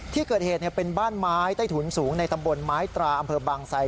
ที่เกิดเหตุเป็นบ้านไม้ใต้ถุนสูงในตำบลไม้ตราอำเภอบางไซ